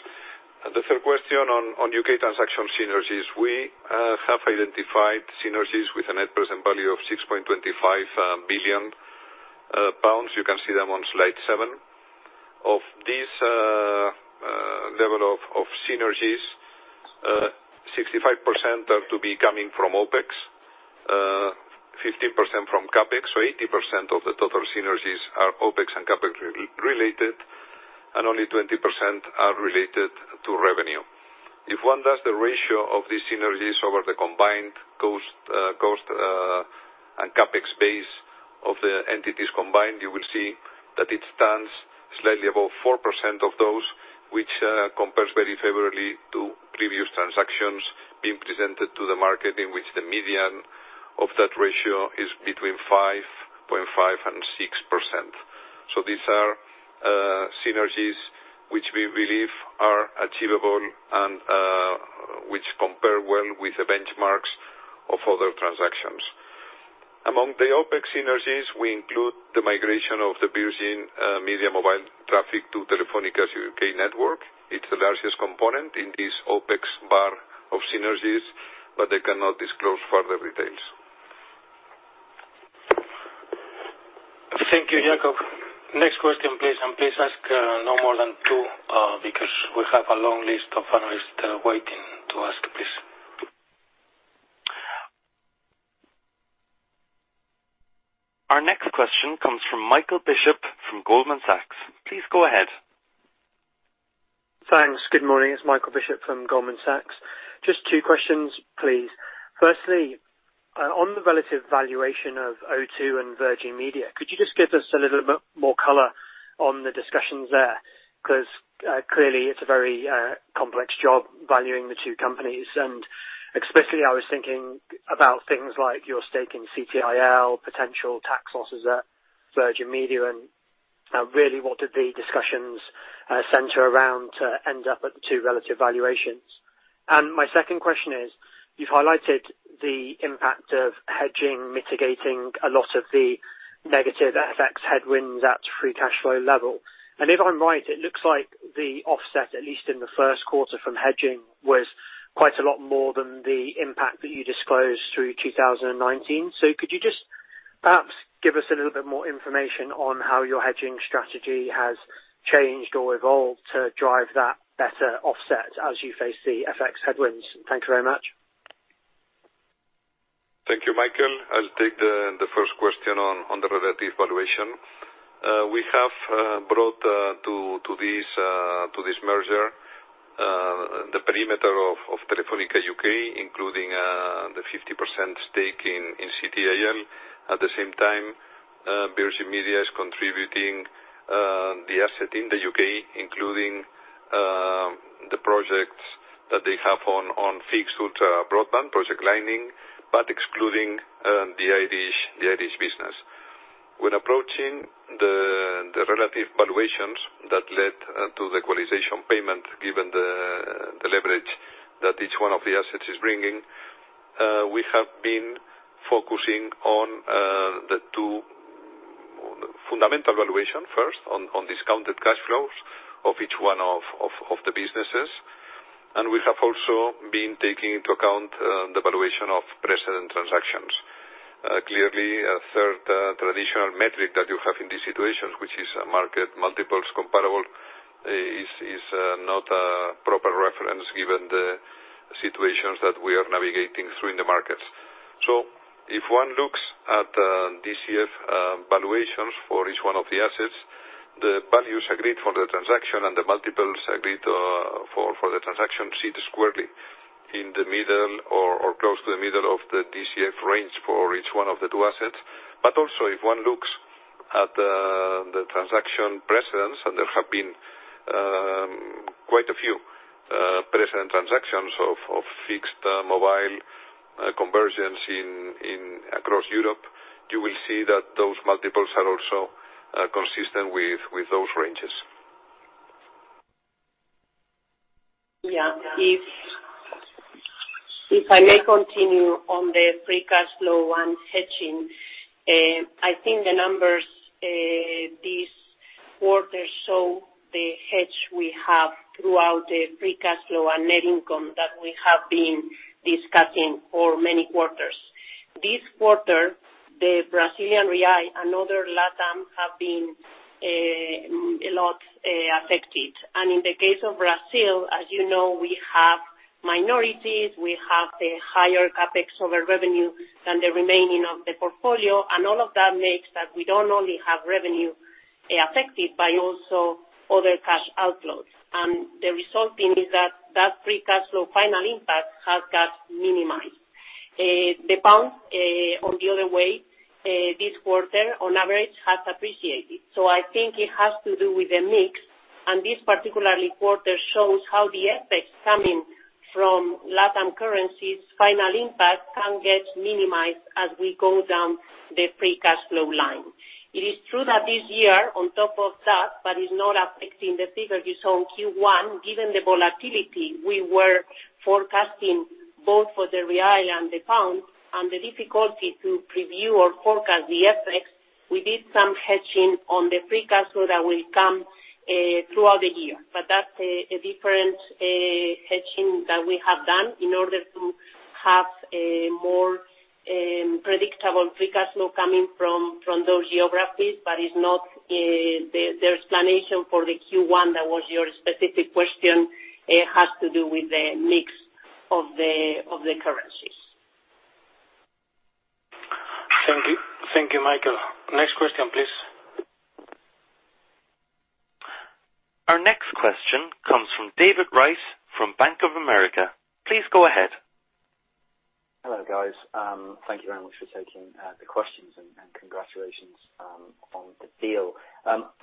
The third question on U.K. transaction synergies. We have identified synergies with a net present value of 6.25 billion pounds. You can see them on slide seven. Of this level of synergies, 65% are to be coming from OpEx, 15% from CapEx. 80% of the total synergies are OpEx and CapEx related, and only 20% are related to revenue. If one does the ratio of these synergies over the combined cost and CapEx base of the entities combined, you will see that it stands slightly above 4% of those, which compares very favorably to previous transactions being presented to the market, in which the median of that ratio is between 5.5% and 6%. These are synergies which we believe are achievable and which compare well with the benchmarks of other transactions. Among the OpEx synergies, we include the migration of the Virgin Media mobile traffic to Telefónica's UK network. It's the largest component in this OpEx bar of synergies, but I cannot disclose further details. Thank you, Jakob. Next question, please, and please ask no more than two because we have a long list of analysts waiting to ask, please. Our next question comes from Michael Bishop of Goldman Sachs. Please go ahead. Thanks. Good morning. It's Michael Bishop from Goldman Sachs. Just two questions, please. Firstly, on the relative valuation of O2 and Virgin Media, could you just give us a little bit more color on the discussions there? Clearly, it's a very complex job valuing the two companies, and especially I was thinking about things like your stake in CTIL, potential tax losses at Virgin Media, and really what did the discussions center around to end up at the two relative valuations. My second question is, you've highlighted the impact of hedging mitigating a lot of the negative FX headwinds at free cash flow level. If I'm right, it looks like the offset, at least in the first quarter from hedging, was quite a lot more than the impact that you disclosed through 2019. Could you just perhaps give us a little bit more information on how your hedging strategy has changed or evolved to drive that better offset as you face the FX headwinds? Thank you very much. Thank you, Michael. I'll take the first question on the relative valuation. We have brought to this merger the perimeter of Telefónica UK, including the 50% stake in CTIL. At the same time, Virgin Media is contributing the asset in the U.K., including the projects that they have on fixed ultra broadband, Project Lightning, but excluding the Irish business. When approaching the relative valuations that led to the equalization payment, given the leverage that each one of the assets is bringing, we have been focusing on the two fundamental valuation, first on discounted cash flows of each one of the businesses. We have also been taking into account the valuation of precedent transactions. Clearly, a third traditional metric that you have in these situations, which is market multiples comparable, is not a proper reference given the situations that we are navigating through in the markets. If one looks at DCF valuations for each one of the assets, the values agreed for the transaction and the multiples agreed for the transaction sit squarely in the middle or close to the middle of the DCF range for each one of the two assets. If one looks at the transaction precedents, and there have been quite a few precedent transactions of fixed mobile convergence across Europe, you will see that those multiples are also consistent with those ranges. Yeah. If I may continue on the free cash flow and hedging, I think the numbers this quarter show the hedge we have throughout the free cash flow and net income that we have been discussing for many quarters. This quarter, the Brazilian real and other LatAm have been a lot affected. In the case of Brazil, as you know, we have minorities, we have the higher CapEx over revenue than the remaining of the portfolio. All of that makes that we don't only have revenue affected, but also other cash outflows. The resulting is that that free cash flow final impact has got minimized. The pound, on the other way, this quarter on average, has appreciated. I think it has to do with the mix. This particular quarter shows how the FX coming from LatAm currencies' final impact can get minimized as we go down the free cash flow line. It is true that this year, on top of that, but it's not affecting the figures you saw in Q1. Given the volatility we were forecasting both for the real and the pound and the difficulty to preview or forecast the FX, we did some hedging on the free cash flow that will come throughout the year. That's a different hedging that we have done in order to have a more predictable free cash flow coming from those geographies. The explanation for the Q1 that was your specific question, it has to do with the mix of the currencies. Thank you. Thank you, Michael. Next question, please. Our next question comes from David Wright from Bank of America. Please go ahead. Hello, guys. Thank you very much for taking the questions, and congratulations on the deal.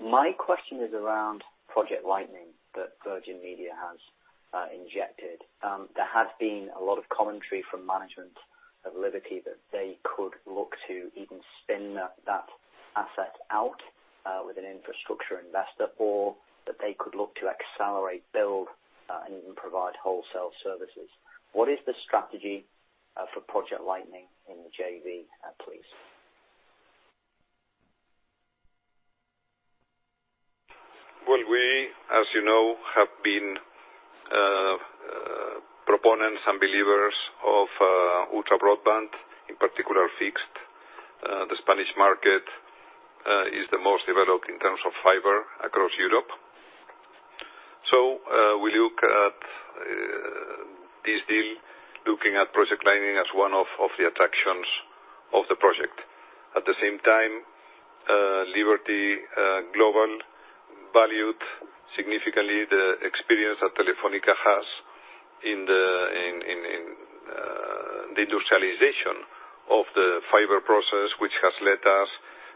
My question is around Project Lightning that Virgin Media has injected. There has been a lot of commentary from management of Liberty that they could look to even spin that asset out with an infrastructure investor, or that they could look to accelerate build and even provide wholesale services. What is the strategy for Project Lightning in the JV, please? Well, we, as you know, have been proponents and believers of ultra broadband, in particular fixed. The Spanish market is the most developed in terms of fiber across Europe. We look at this deal, looking at Project Lightning as one of the attractions of the project. At the same time, Liberty Global valued significantly the experience that Telefónica has in the industrialization of the fiber process, which has led us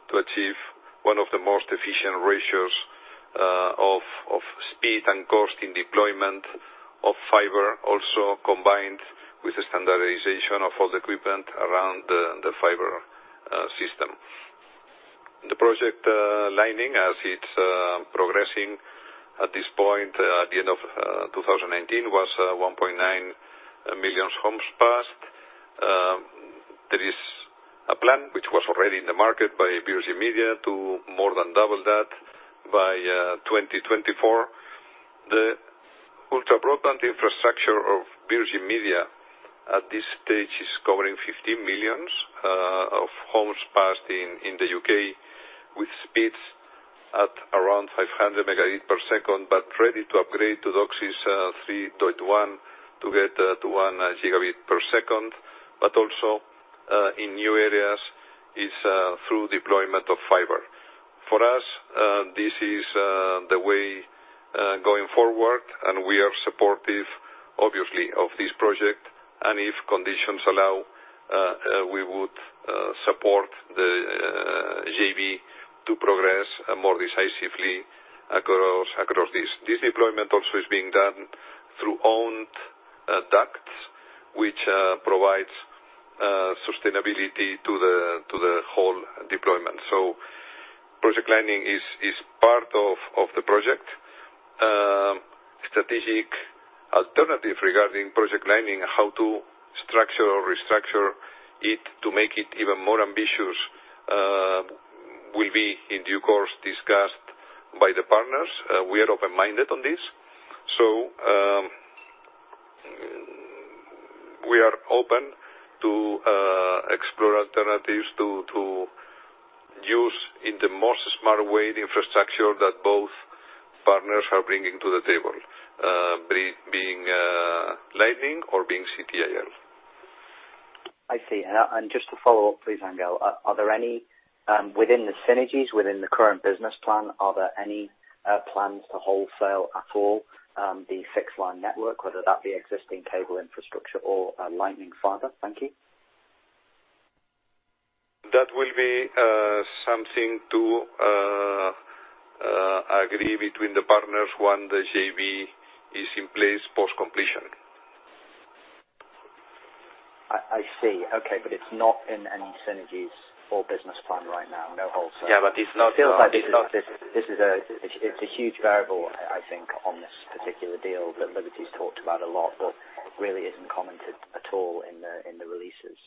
to achieve one of the most efficient ratios of speed and cost in deployment of fiber, also combined with the standardization of all the equipment around the fiber system. The Project Lightning, as it's progressing at this point at the end of 2019, was 1.9 million homes passed. There is a plan which was already in the market by Virgin Media to more than double that by 2024. The ultra broadband infrastructure of Virgin Media at this stage is covering 15 millions of homes passed in the U.K., with speeds at around 500 Mbps, but ready to upgrade to DOCSIS 3.1 to get to 1 Gbps. Also, in new areas is through deployment of fiber. For us, this is the way going forward, and we are supportive, obviously, of this project. If conditions allow, we would support the JV to progress more decisively across this. This deployment also is being done through owned ducts, which provides sustainability to the whole deployment. Project Lightning is part of the project. Strategic alternative regarding Project Lightning, how to structure or restructure it to make it even more ambitious, will be, in due course, discussed by the partners. We are open-minded on this, so we are open to explore alternatives to use in the most smart way the infrastructure that both partners are bringing to the table, being Lightning or being CTIL. I see. Just to follow up please, Ángel. Within the synergies, within the current business plan, are there any plans to wholesale at all the fixed line network, whether that be existing cable infrastructure or Lightning fiber? Thank you. That will be something to agree between the partners when the JV is in place post-completion. I see. Okay, it's not in any synergies or business plan right now, no wholesale. Yeah, it's. It feels like it's a huge variable, I think, on this particular deal that Liberty's talked about a lot but really isn't commented at all in the releases.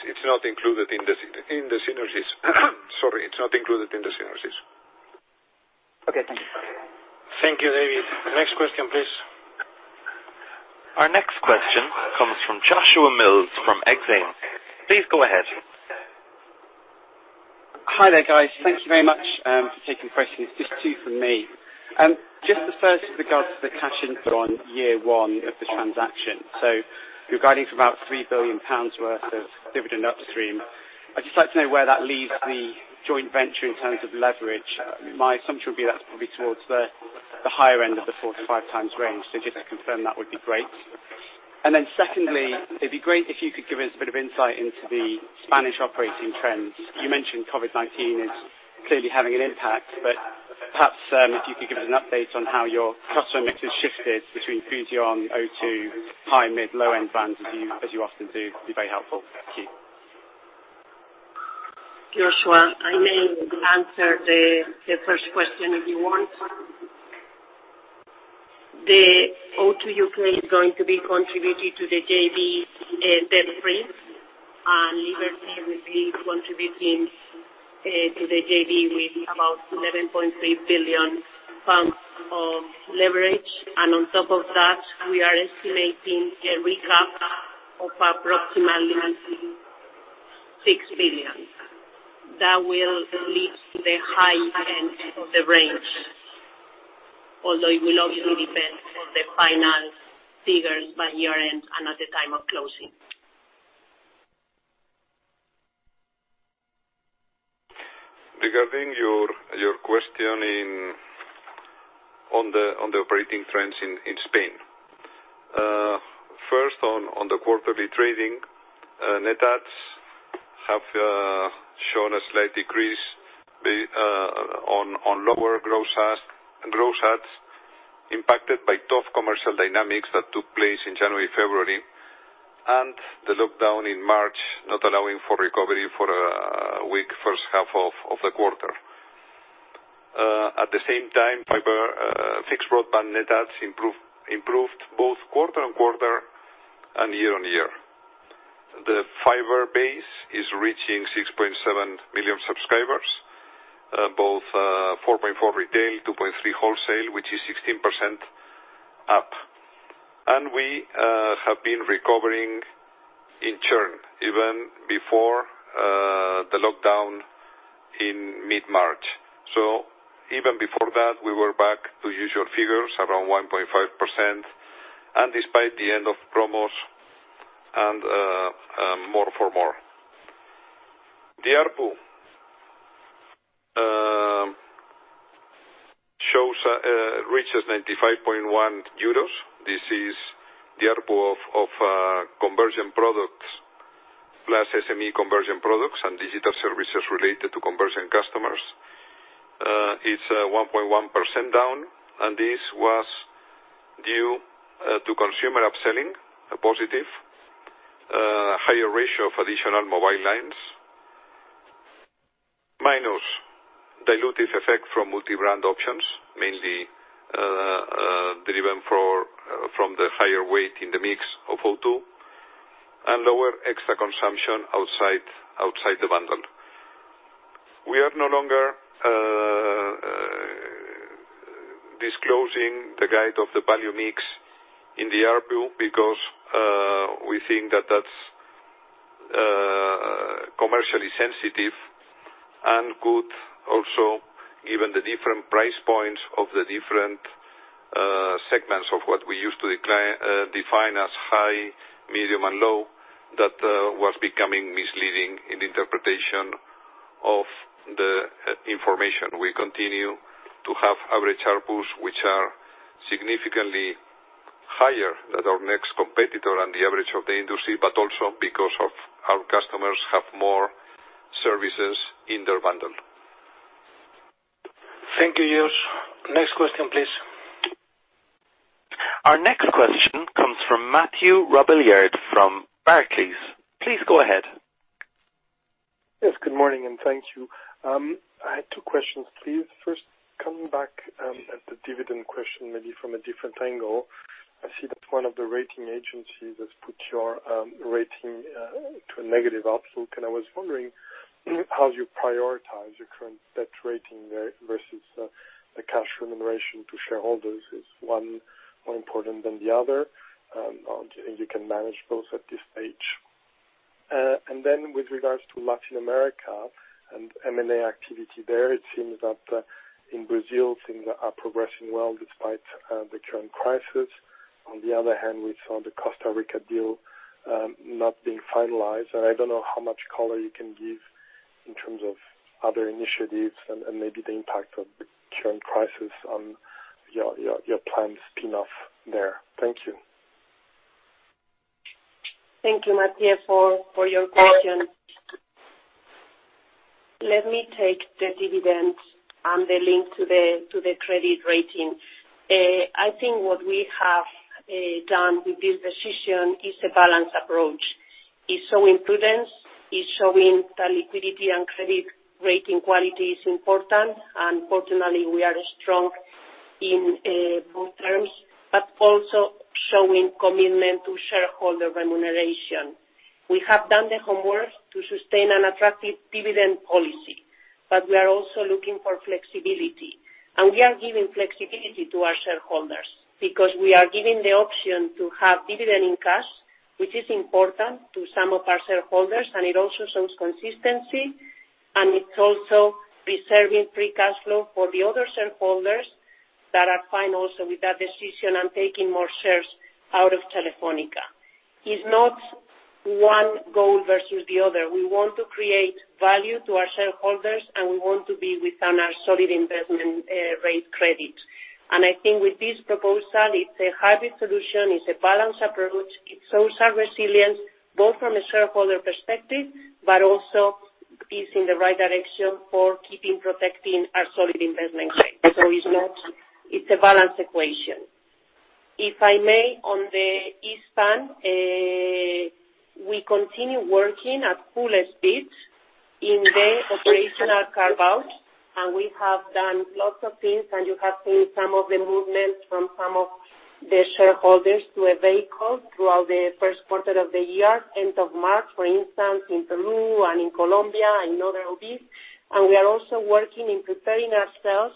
It's not included in the synergies. Sorry. It's not included in the synergies. Okay. Thank you. Thank you, David. Next question, please. Our next question comes from Joshua Mills from Exane. Please go ahead. Hi there, guys. Thank you very much for taking questions. Just two from me. Just the first regards to the cash inflow on year one of this transaction. You're guiding for about 3 billion pounds worth of dividend upstream. I'd just like to know where that leaves the joint venture in terms of leverage. My assumption would be that's probably towards the higher end of the 4x-5x range. Just to confirm that would be great. Secondly, it'd be great if you could give us a bit of insight into the Spanish operating trends. You mentioned COVID-19 is clearly having an impact, but perhaps, if you could give us an update on how your customer mix has shifted between Fusión, O2, high, mid, low-end bands as you often do, it'd be very helpful. Thank you. Joshua, I may answer the first question if you want. The O2 U.K. is going to be contributing to the JV debt-free, and Liberty will be contributing to the JV with about 11.3 billion pounds of leverage. On top of that, we are estimating a recap of approximately 6 billion. That will lead to the high end of the range. Although it will also depend on the final figures by year-end and at the time of closing. Regarding your question on the operating trends in Spain. First, on the quarterly trading, net adds have shown a slight decrease on lower gross adds impacted by tough commercial dynamics that took place in January, February, and the lockdown in March, not allowing for recovery for a weak first half of the quarter. At the same time, fiber fixed broadband net adds improved both quarter-on-quarter and year-on-year. The fiber base is reaching 6.7 million subscribers, both 4.4 retail, 2.3 wholesale, which is 16% up. We have been recovering in churn even before the lockdown in mid-March. Even before that, we were back to usual figures around 1.5%, and despite the end of promos and More for More. The ARPU reaches 95.1 euros. This is the ARPU of conversion products, plus SME conversion products and digital services related to conversion customers. It's 1.1% down. This was due to consumer upselling, a positive, higher ratio of additional mobile lines, minus dilutive effect from multi-brand options, mainly driven from the higher weight in the mix of O2, and lower extra consumption outside the bundle. We are no longer disclosing the guide of the value mix in the ARPU because we think that that's commercially sensitive and could also, given the different price points of the different segments of what we used to define as high, medium, and low, that was becoming misleading in interpretation of the information. We continue to have average ARPUs, which are significantly higher than our next competitor and the average of the industry, also because our customers have more services in their bundle. Thank you, Josh. Next question, please. Our next question comes from Mathieu Robilliard from Barclays. Please go ahead. Yes, good morning. Thank you. I had two questions, please. First, coming back at the dividend question, maybe from a different angle. I see that one of the rating agencies has put your rating to a negative outlook, and I was wondering how you prioritize your current debt rating versus the cash remuneration to shareholders. Is one more important than the other? You can manage both at this stage? With regards to Latin America and M&A activity there, it seems that in Brazil, things are progressing well despite the current crisis. On the other hand, we saw the Costa Rica deal not being finalized, and I don't know how much color you can give in terms of other initiatives and maybe the impact of the current crisis on your planned spin-off there. Thank you. Thank you, Mathieu, for your question. Let me take the dividend and the link to the credit rating. I think what we have done with this decision is a balanced approach. It's showing prudence, it's showing that liquidity and credit rating quality is important. Fortunately, we are strong in both terms but also showing commitment to shareholder remuneration. We have done the homework to sustain an attractive dividend policy, but we are also looking for flexibility. We are giving flexibility to our shareholders because we are giving the option to have dividend in cash, which is important to some of our shareholders, and it also shows consistency, and it's also reserving free cash flow for the other shareholders that are fine also with that decision and taking more shares out of Telefónica. It's not one goal versus the other. We want to create value to our shareholders, and we want to be within our solid investment rate credit. I think with this proposal, it's a hybrid solution, it's a balanced approach. It shows our resilience, both from a shareholder perspective, but also is in the right direction for keeping protecting our solid investment rate. It's a balanced equation. If I may, on the Hispam, we continue working at full speed in the operational carve-out, and we have done lots of things, and you have seen some of the movements from some of the shareholders to a vehicle throughout the first quarter of the year, end of March, for instance, in Peru and in Colombia, and other OBs. We are also working in preparing ourselves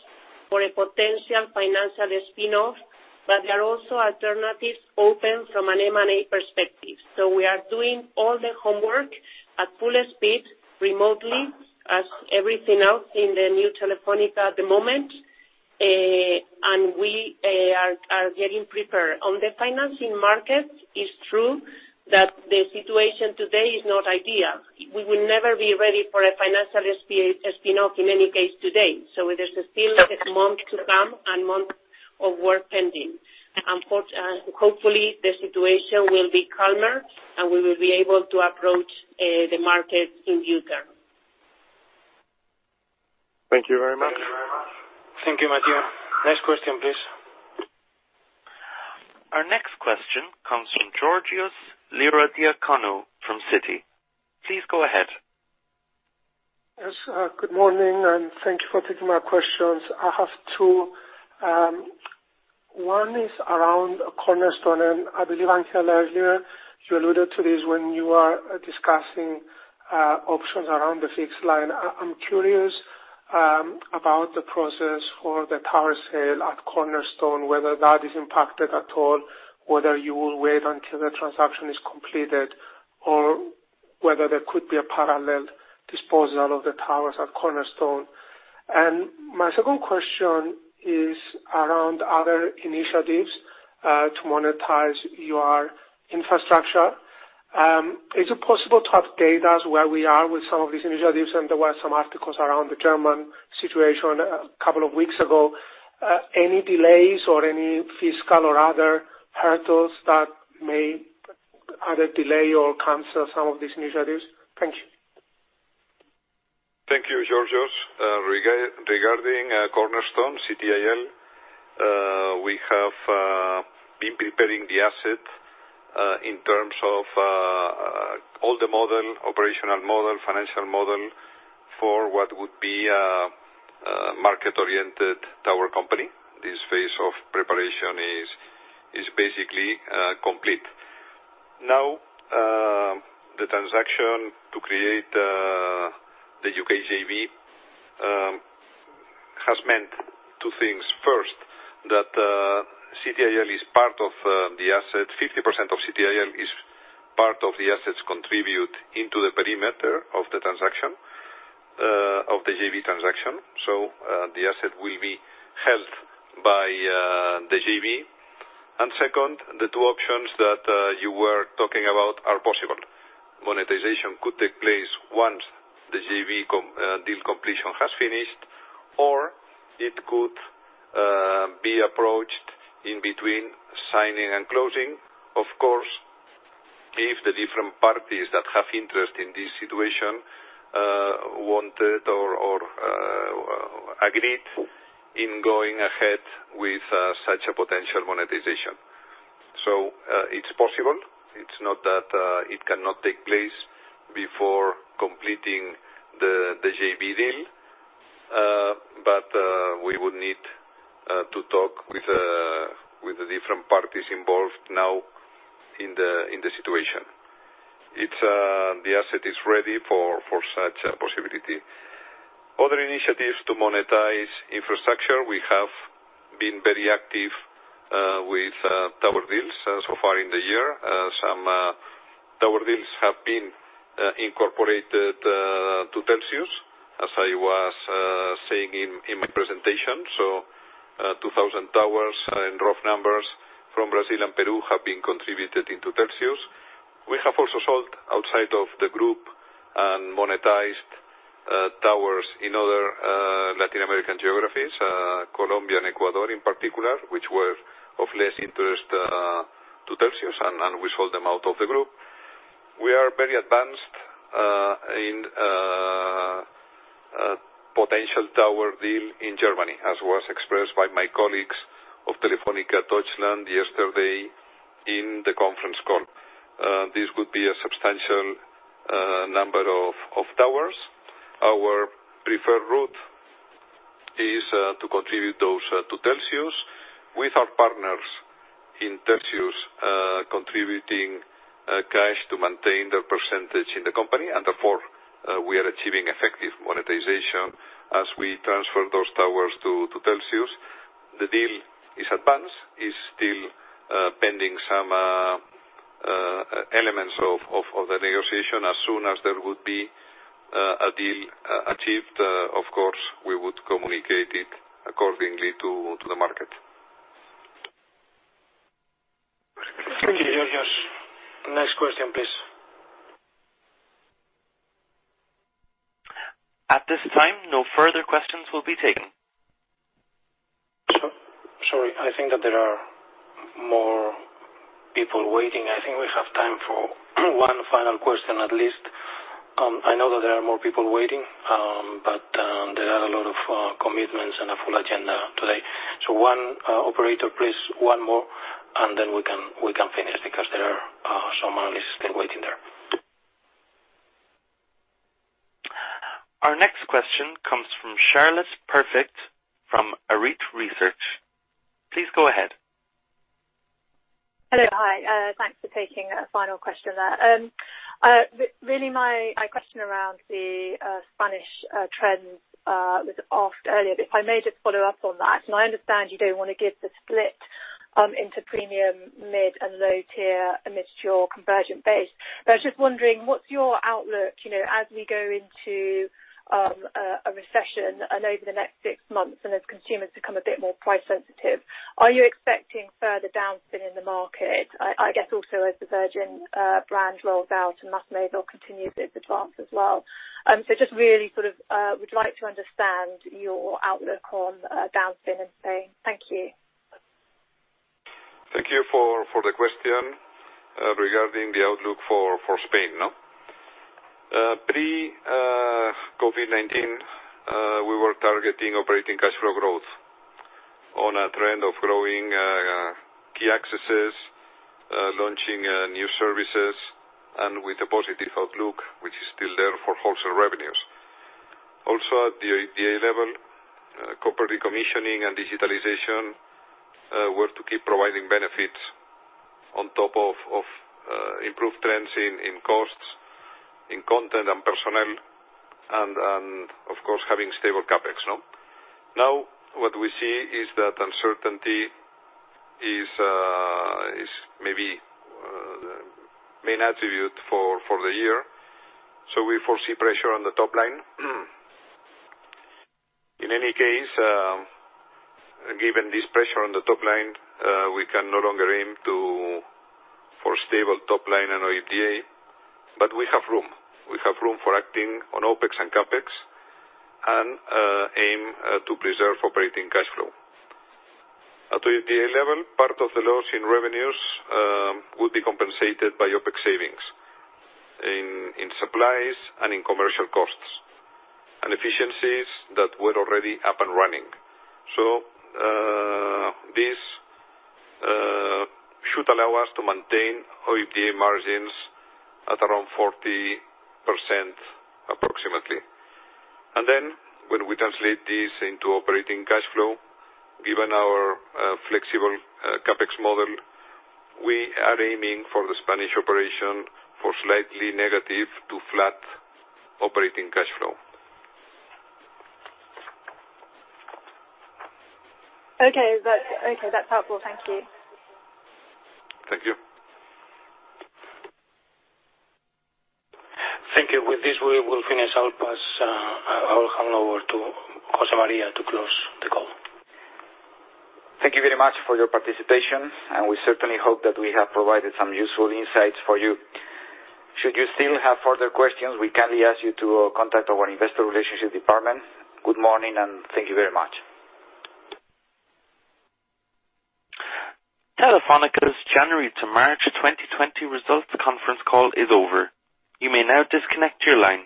for a potential financial spin-off, but there are also alternatives open from an M&A perspective. We are doing all the homework at fuller speed, remotely, as everything else in the new Telefónica at the moment, and we are getting prepared. On the financing market, it's true that the situation today is not ideal. We will never be ready for a financial spin-off in any case today. There's still a month to come and month of work pending. Hopefully, the situation will be calmer, and we will be able to approach the market in due time. Thank you very much. Thank you, Mathieu. Next question, please. Our next question comes from Georgios Ierodiaconou from Citi. Please go ahead. Yes, good morning. Thank you for taking my questions. I have two. One is around Cornerstone. I believe, Ángel, earlier you alluded to this when you are discussing options around the fixed line. I'm curious about the process for the tower sale at Cornerstone, whether that is impacted at all, whether you will wait until the transaction is completed, or whether there could be a parallel disposal of the towers at Cornerstone. My second question is around other initiatives to monetize your infrastructure. Is it possible to have data where we are with some of these initiatives? There were some articles around the German situation a couple of weeks ago. Any delays or any fiscal or other hurdles that may either delay or cancel some of these initiatives? Thank you. Thank you, Georgios. Regarding Cornerstone, CTIL, we have been preparing the asset, in terms of all the model, operational model, financial model, for what would be a market-oriented tower company. This phase of preparation is basically complete. The transaction to create the U.K. JV has meant two things. First, that 50% of CTIL is part of the assets contribute into the perimeter of the JV transaction. The asset will be held by the JV. Second, the two options that you were talking about are possible. Monetization could take place once the JV deal completion has finished, or it could be approached in between signing and closing. Of course, if the different parties that have interest in this situation wanted or agreed in going ahead with such a potential monetization. It's possible. It's not that it cannot take place before completing the JV deal, but we would need to talk with the different parties involved now in the situation. The asset is ready for such a possibility. Other initiatives to monetize infrastructure, we have been very active with tower deals so far in the year. Some tower deals have been incorporated to Telxius. As I was saying in my presentation, 2,000 towers in rough numbers from Brazil and Peru have been contributed into Telxius. We have also sold outside of the group and monetized towers in other Latin American geographies, Colombia and Ecuador in particular, which were of less interest to Telxius, and we sold them out of the group. We are very advanced in a potential tower deal in Germany, as was expressed by my colleagues of Telefónica Deutschland yesterday in the conference call. This would be a substantial number of towers. Our preferred route is to contribute those to Telxius, with our partners in Telxius contributing cash to maintain their percentage in the company, and therefore, we are achieving effective monetization as we transfer those towers to Telxius. The deal is advanced. It is still pending some elements of the negotiation. As soon as there would be a deal achieved, of course, we would communicate it accordingly to the market. Thank you, Georgios. Next question, please. At this time, no further questions will be taken. Sorry. I think that there are more people waiting. I think we have time for one final question at least. I know that there are more people waiting, but there are a lot of commitments and a full agenda today. Operator, please, one more, and then we can finish because someone is still waiting there. Our next question comes from Charlotte Perfect from Arete Research. Please go ahead. Hello. Hi. Thanks for taking a final question there. Really, my question around the Spanish trends was asked earlier, but if I may just follow up on that, and I understand you don't want to give the split into premium, mid, and low tier amidst your convergent base, but I was just wondering, what's your outlook as we go into a recession and over the next six months and as consumers become a bit more price sensitive? Are you expecting further downspin in the market? I guess also as the Virgin brand rolls out and MásMóvil continues its advance as well. Just really would like to understand your outlook on downspin in Spain. Thank you. Thank you for the question regarding the outlook for Spain. Pre-COVID-19, we were targeting operating cash flow growth on a trend of growing key accesses, launching new services, and with a positive outlook, which is still there for wholesale revenues. At the OIBDA level, corporate decommissioning and digitalization were to keep providing benefits on top of improved trends in costs, in content and personnel, of course, having stable CapEx. What we see is that uncertainty is maybe the main attribute for the year. We foresee pressure on the top line. In any case, given this pressure on the top line, we can no longer aim for stable top line and OIBDA, we have room. We have room for acting on OpEx and CapEx and aim to preserve operating cash flow. At the OIBDA level, part of the loss in revenues will be compensated by OpEx savings in supplies and in commercial costs and efficiencies that were already up and running. This should allow us to maintain OIBDA margins at around 40% approximately. When we translate this into operating cash flow, given our flexible CapEx model, we are aiming for the Spanish operation for slightly negative to flat operating cash flow. Okay. That's helpful. Thank you. Thank you. Thank you. With this, we will finish. I'll hand over to José María to close the call. Thank you very much for your participation, and we certainly hope that we have provided some useful insights for you. Should you still have further questions, we kindly ask you to contact our investor relationship department. Good morning and thank you very much. Telefónica's January to March 2020 results conference call is over. You may now disconnect your line.